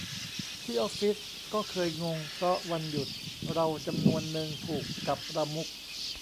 ที่ออฟฟิศก็เคยงง เพราะวันหยุดเราจำนวนนึงผูกกับประมุข